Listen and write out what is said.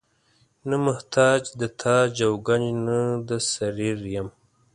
نه محتاج د تاج او ګنج نه د سریر یم.